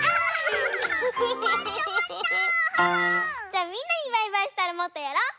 じゃあみんなにバイバイしたらもっとやろう！